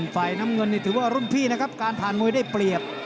ฝ่ายน้ำเงินนี่ถือว่ารุ่นพี่นะครับการผ่านมวยได้เปรียบ